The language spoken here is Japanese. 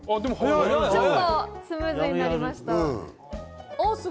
ちょっとスムーズになりました。